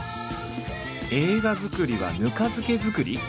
映画作りはぬか漬け作り？